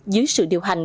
dưới sự điều hành